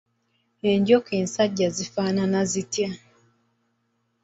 Enjoka ensajja zifaanana zitya?